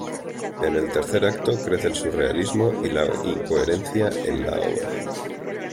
En el tercer acto, crece el surrealismo y la incoherencia en la obra.